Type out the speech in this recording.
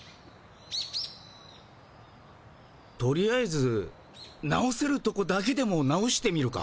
とりあえず直せるとこだけでも直してみるか。